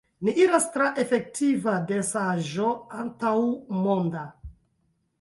Ni iras tra efektiva densaĵo antaŭmonda!